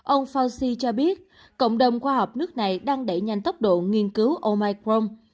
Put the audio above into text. ông fauci cho biết cộng đồng khoa học nước này đang đẩy nhanh tốc độ nghiên cứu omicron